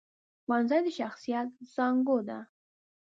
ښوونځی د شخصیت زانګو ده